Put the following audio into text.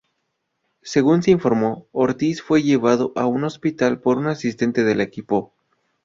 Según se informó, "Ortiz" fue llevado a un hospital por un asistente del equipo.